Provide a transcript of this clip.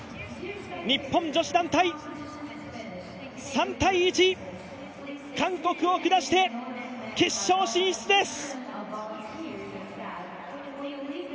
日本女子団体、３−１、韓国を下して決勝進出です！